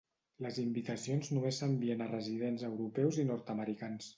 Les invitacions només s'envien a residents europeus i nord-americans.